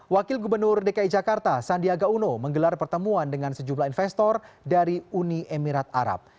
wakil gubernur dki jakarta sandiaga uno menggelar pertemuan dengan sejumlah investor dari uni emirat arab